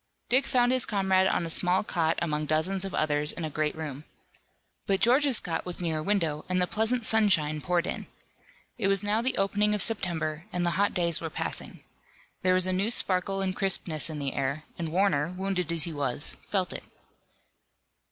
Dick found his comrade on a small cot among dozens of others in a great room. But George's cot was near a window and the pleasant sunshine poured in. It was now the opening of September, and the hot days were passing. There was a new sparkle and crispness in the air, and Warner, wounded as he was, felt it.